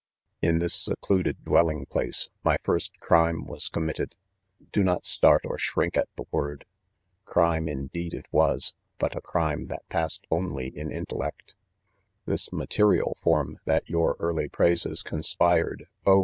4 In this secluded dwelling place my first crime was committed — do not start or shrink at the word !— crime, indeed it was, but a crime that passed only in intellect, — this material form that your early praises conspired, ©h!